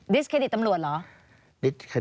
ดิสเคดิตท่ามรวดเหรอ